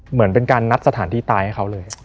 เหมือนเป็นการนัดสถานที่ตายให้เขาเลย